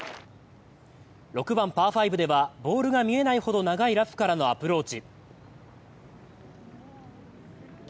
６番パー５では、ボールが見えないほどの長いラフからのアプローチ。